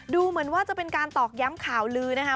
ดูเหมือนว่าจะเป็นการตอกย้ำข่าวลือนะคะ